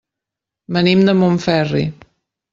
Venim de Montferri.